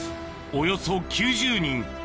およそ９０人